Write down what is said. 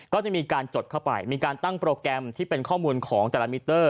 ก็จะมีการจดเข้าไปมีการตั้งโปรแกรมที่เป็นข้อมูลของแต่ละมิเตอร์